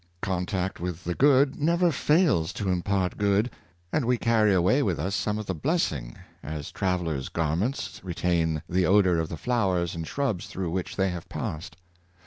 '^ Contact with the good never fails to impart good, and we carry away with us some of the blessing,' as travellers' garments retain the odor of the flowers and shrubs through which they have passed.